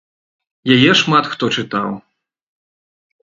Яе шмат хто чытаў.